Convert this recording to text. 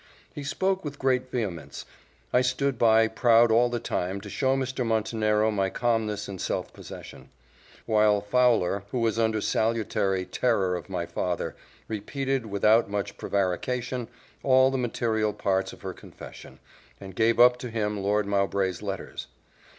He spoke with great vehemence. I stood by, proud all the time to show Mr. Montenero my calmness and self possession; while Fowler, who was under salutary terror of my father, repeated, without much prevarication, all the material parts of her confession, and gave up to him Lord Mowbray's letters.